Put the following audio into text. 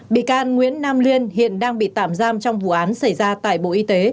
bị can nguyễn nam liên hiện đang bị tạm giam trong vụ án xảy ra tại bộ y tế